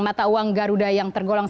mata uang garuda yang tergolong